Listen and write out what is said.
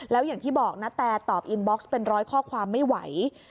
แล้วอย่างที่บอกณแตตอบอินบ็อกซ์เป็นร้อยข้อความไม่ไหว